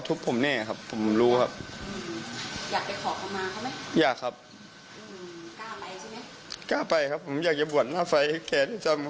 ทำไมเขาถึงพยายามฆ่าเราค่ะ